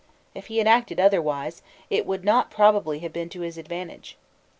If he had acted otherwise, it would not probably have been to his advantage.